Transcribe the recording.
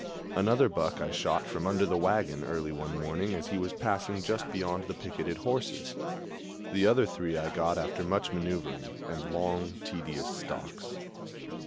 Another buck I shot from under the wagon early one morning as he was passing just beyond the picketed horses. The other three I got after much maneuvering and long, tedious stalks.